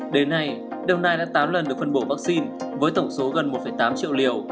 đến nay đồng nai đã tám lần được phân bổ vaccine với tổng số gần một tám triệu liều